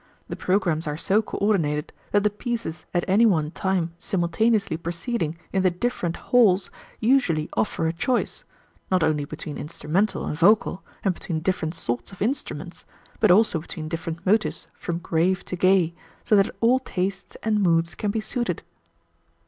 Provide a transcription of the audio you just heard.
The programmes are so coordinated that the pieces at any one time simultaneously proceeding in the different halls usually offer a choice, not only between instrumental and vocal, and between different sorts of instruments; but also between different motives from grave to gay, so that all tastes and moods can be suited."